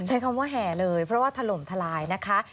ใช้คำว่าแห่เลยเพราะว่าถล่มทลายนะคะ